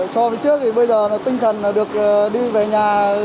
so với trước thì bây giờ tinh thần là được đi về nhà